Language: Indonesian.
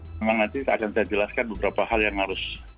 memang nanti akan saya jelaskan beberapa hal yang harus